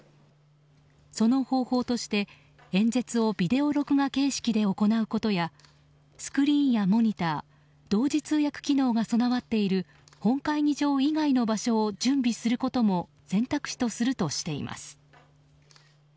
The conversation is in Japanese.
その方法として、演説をビデオ録画形式で行うことやスクリーンやモニター同時通訳機能が備わっている本会議場以外の場所を準備することも選択肢とするとしています。